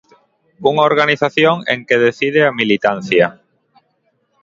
Unha organización en que decide a militancia.